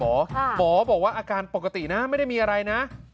หมอบอกว่าอาการปกตินะไม่ได้มีอะไรนะ